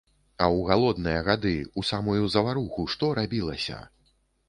А ў галодныя гады, у самую заваруху што рабілася?